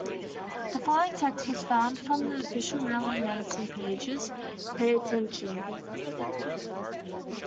The following text was found from the official Marilyn Manson pages: Pay attention!